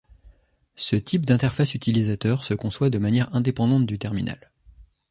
Ce type d'interface utilisateur se conçoit de manière indépendante du terminal.